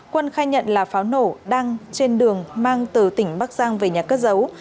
quân khai nhận là pháo nổ đang trên đường mang từ tỉnh bắc giang về nhà cất giấu